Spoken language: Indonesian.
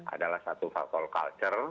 adalah satu faktor culture